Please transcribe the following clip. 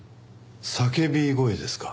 叫び声ですか？